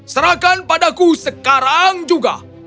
serahkan padaku sekarang juga